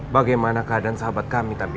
bagaimana keadaan sahabat kami tapi